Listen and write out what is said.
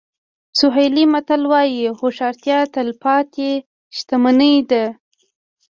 سوهیلي متل وایي هوښیارتیا تلپاتې شتمني ده.